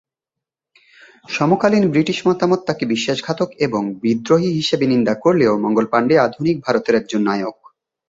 সমকালীন ব্রিটিশ মতামত তাকে বিশ্বাসঘাতক এবং বিদ্রোহী হিসাবে নিন্দা করলেও মঙ্গল পাণ্ডে আধুনিক ভারতের একজন নায়ক।